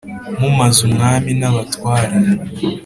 Mu maze umwami n abatware